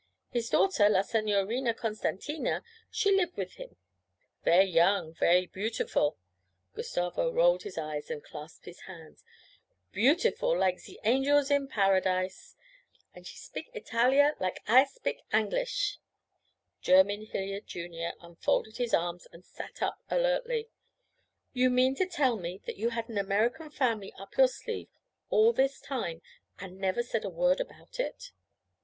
His daughter, la Signorina Costantina, she live wif him ver' young, ver' beautiful' Gustavo rolled his eyes and clasped his hands 'beautiful like ze angels in Paradise and she spik Italia like I spik Angleesh.' Jerymn Hilliard, Jr., unfolded his arms and sat up alertly. 'You mean to tell me that you had an American family up your sleeve all this time and never said a word about it?'